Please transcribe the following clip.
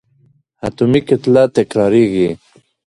اتومي کتله تکرارېږي.